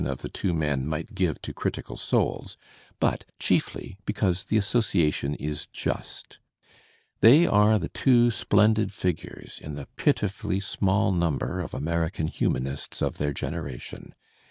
WILLIAM JAMES 307 of the two men might give to critical souls, but chiefly ^ because the association is just. They are the two splendid figures in the pitifully small number of American humanists of their generation.